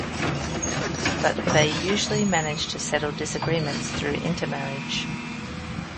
But they usually managed to settle disagreements through intermarriage.